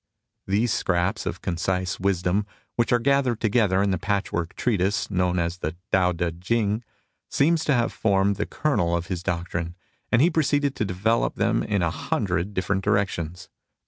These scraps of concise wisdom, which are gathered together in the patchwork treatise known as the Too Ti Chingy seem to have formed the kernel of his doctrine, and he proceeded to develop them in a hundred different directions.